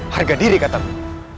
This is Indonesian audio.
harga diri katamu